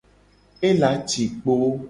Ela ci kpo.